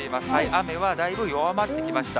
雨はだいぶ弱まってきました。